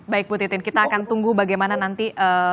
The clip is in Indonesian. baik bu titin kita akan tunggu bagaimana nanti